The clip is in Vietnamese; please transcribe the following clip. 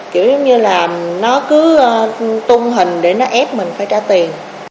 kiểu như là nó cứ tung hình để nó ép mình phải trả tiền